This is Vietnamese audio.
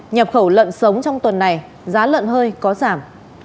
nhập khẩu lợn sống trong tuần này giá lợn hơi có giảm